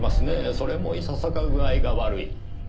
それもいささか具合が悪い。